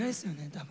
多分。